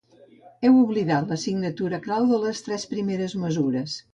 Heu oblidat la signatura clau de les tres primeres mesures.